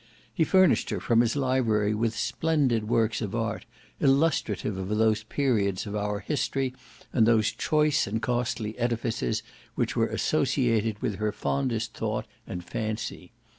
He furnished her from his library with splendid works of art, illustrative of those periods of our history and those choice and costly edifices which were associated with her fondest thought and fancy.